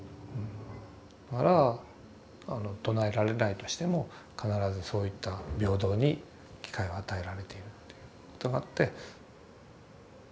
だから唱えられないとしても必ずそういった平等に機会は与えられているってことがあって。